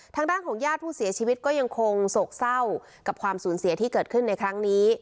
ทางด้านของญาติผู้เสียชีวิตก็ยังคงโศกเศร้ากับความสูญเสียที่เกิดขึ้นในครั้งนี้